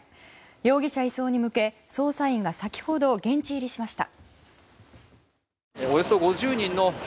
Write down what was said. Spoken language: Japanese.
容疑者移送に向け、捜査員が先ほど現地入りしました。